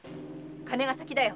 金が先だよ！